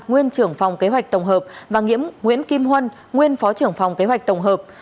nguyên trưởng phòng kế hoạch tổng hợp và nguyễn kim huân nguyên phó trưởng phòng kế hoạch tổng hợp